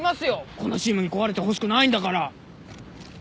このチームに壊れてほしくないんだから。